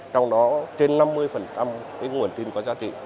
trong đó trên năm mươi nguồn tin có giá trị